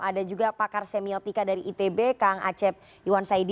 ada juga pakar semiotika dari itb kang acep iwan saidi